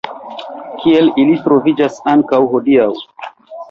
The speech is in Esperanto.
Kiel ili troviĝas ankaŭ hodiaŭ.